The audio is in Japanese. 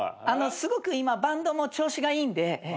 すごく今バンドも調子がいいんで。